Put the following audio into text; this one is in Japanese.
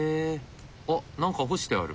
あっ何か干してある。